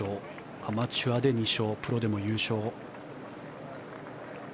アマチュアで２勝プロでも優勝。